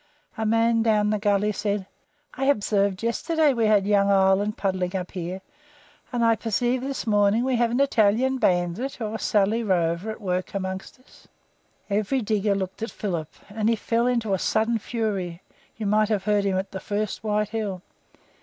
A man down the gully said: "I obsarved yesterday we had young Ireland puddling up here, and I persave this morning we have an Italian bandit or a Sallee rover at work among us." Every digger looked at Philip, and he fell into a sudden fury; you might have heard him at the first White Hill.